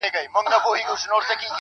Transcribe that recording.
يارانو راټوليږی چي تعويذ ورڅخه واخلو~